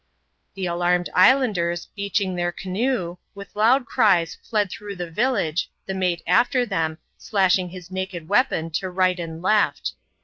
The alarmed islanders, beaching their canoe, with loud cries fled through the village^ the mate after them, slashing his naked weapon to right and left.